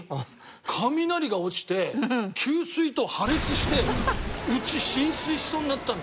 雷が落ちて給水塔破裂してうち浸水しそうになったんです。